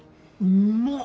うまっ！